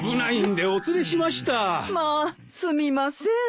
まあすみません。